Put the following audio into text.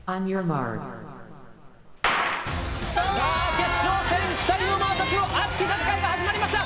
決勝戦、２人のママたちの熱き戦いが始まりました！